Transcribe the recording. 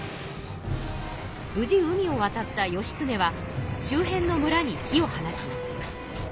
無事海を渡った義経は周辺の村に火を放ちます。